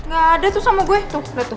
gak ada tuh sama gue tuh udah tuh